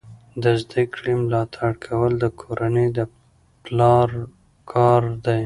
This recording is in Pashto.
د زده کړې ملاتړ کول د کورنۍ د پلار کار دی.